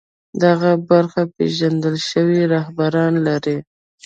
دغه برخه پېژندل شوي رهبران لري